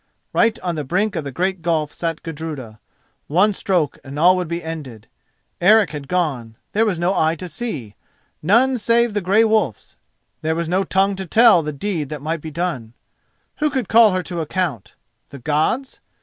_" Right on the brink of the great gulf sat Gudruda. One stroke and all would be ended. Eric had gone; there was no eye to see—none save the Grey Wolf's; there was no tongue to tell the deed that might be done. Who could call her to account? The Gods!